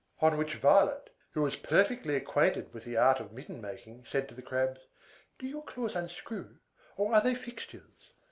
On which Violet, who was perfectly acquainted with the art of mitten making, said to the Crabs, "Do your claws unscrew, or are they fixtures?"